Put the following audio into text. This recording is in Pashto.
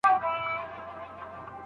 ورزش د سهار لخوا ډېره ګټه لري.